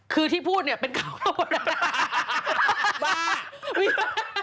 คือที่พูดคือเป็นก็คือ